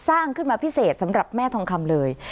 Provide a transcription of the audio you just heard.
สร้างขึ้นมาพิเศษสำหรับแม่ทองคำเลย